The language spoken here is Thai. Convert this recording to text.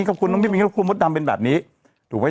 ครับคุณน้องพี่มิงครอบครัวมดดำเป็นแบบนี้